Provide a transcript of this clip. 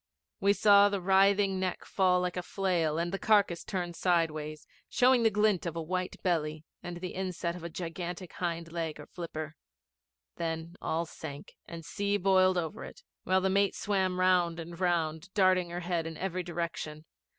We saw the writhing neck fall like a flail, the carcase turn sideways, showing the glint of a white belly and the inset of a gigantic hind leg or flipper. Then all sank, and sea boiled over it, while the mate swam round and round, darting her head in every direction.